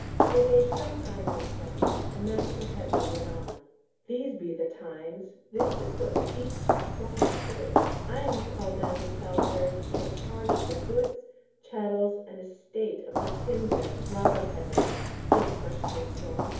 They made some kind of assent, and Master Headley went on. "These be the times! This is what peace hath brought us to! I am called down to Salisbury to take charge of the goods, chattels, and estate of my kinsman, Robert Headley—Saints rest his soul!